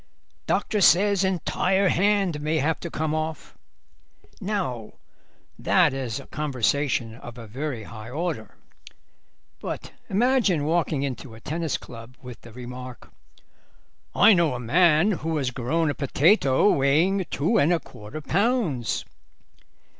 Doctor says entire hand may have to come off.' Now that is conversation of a very high order. But imagine walking into a tennis club with the remark: 'I know a man who has grown a potato weighing two and a quarter pounds.